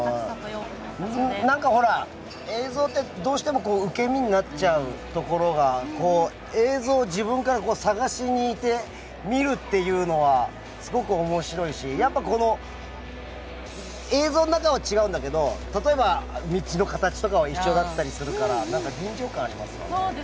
僕、なんか映像ってどうしても受け身になっちゃうところが映像を自分から探しに行って見るというのはすごく面白いし映像の中は違うんだけど例えば道の形とかは一緒だったりするので臨場感がありますよね。